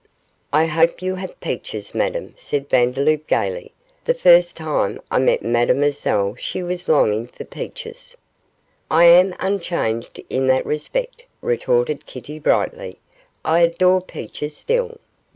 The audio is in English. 'I hope you have peaches, Madame,' said Vandeloup, gaily; 'the first time I met Mademoiselle she was longing for peaches.' 'I am unchanged in that respect,' retorted Kitty, brightly; 'I adore peaches still.